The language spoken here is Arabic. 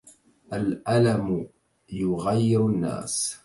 الأَلَم يُغَيّر النَّاس.